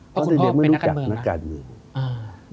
เพราะซีเรียไม่รู้จักนักการเมือง